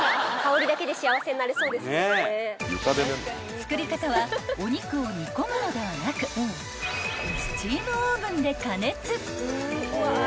［作り方はお肉を煮込むのではなくスチームオーブンで加熱］